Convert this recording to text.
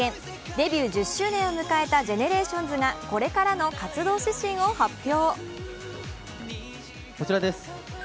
デビュー１０周年を迎えたＧＥＮＥＲＡＴＩＯＮＳがこれからの活動指針を発表。